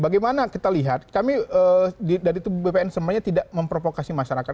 bagaimana kita lihat kami dari itu bpn semuanya tidak memprovokasi masyarakat